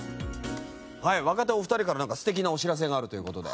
はい若手お二人からなんか素敵なお知らせがあるという事で。